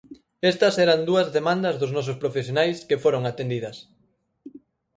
Estas eran dúas demandas dos nosos profesionais que foron atendidas.